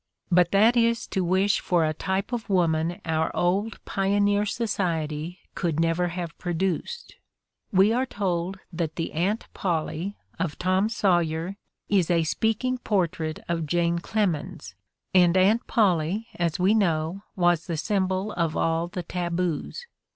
But that is to wish for a type of woman our old pioneer society could never have produced. We are told that the Aunt Polly of "Tom Sawyer" is a speak ■' ing portrait of Jane Clemens, and Aunt Polly, as we i know, was the symbol of all the taboos.